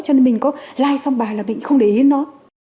cho nên mình có like xong bài là mình cũng không để ý nó